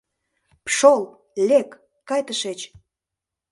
Пшол, лек, кай тышеч!